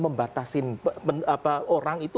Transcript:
membatasi orang itu